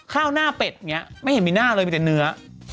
ข้าวหน้าเป็ดอย่างนี้ไม่เห็นมีหน้าเลยมีแต่เนื้อ